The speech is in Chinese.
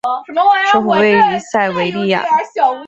首府位于塞维利亚。